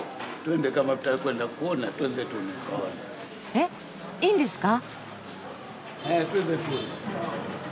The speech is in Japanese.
えっいいんですか！？